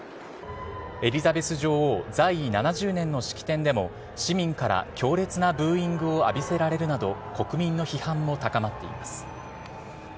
エリザベス女王在位７０年の式典でも、市民から強烈なブーイングを浴びせられるなど、国民の批判も高まっています。